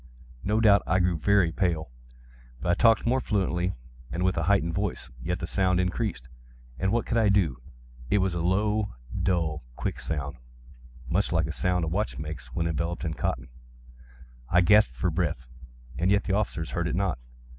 No doubt I now grew very pale;—but I talked more fluently, and with a heightened voice. Yet the sound increased—and what could I do? It was a low, dull, quick sound—much such a sound as a watch makes when enveloped in cotton. I gasped for breath—and yet the officers heard it not.